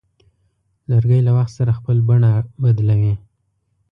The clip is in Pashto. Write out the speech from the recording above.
لرګی له وخت سره خپل بڼه بدلوي.